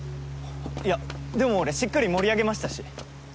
いやでも俺しっかり盛り上げましたし。